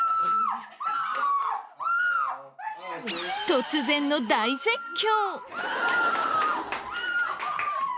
突然の大絶叫！